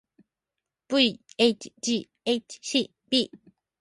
bhghcb